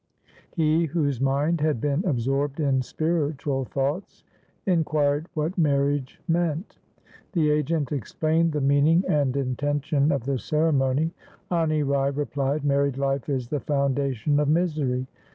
He whose mind had been absorbed in spiritual thoughts, inquired what marriage meant. The agent explained the meaning and intention of the ceremony. Ani Rai replied, ' Married life is the foundation of misery.